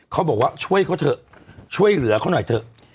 เขาบอกว่าช่วยเขาเถอะช่วยเหลือเขาหน่อยเถอะ